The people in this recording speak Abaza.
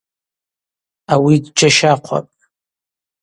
Ауи дджьащахъвапӏ.